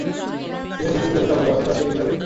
টিনা কে তুমি যতটা ভালোবাসো, তার চেয়ে কিছুটা বেশি।